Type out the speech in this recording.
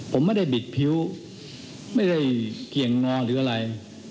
ผมไม่ได้บิดพิ้วไม่ได้เกี่ยงงอหรืออะไร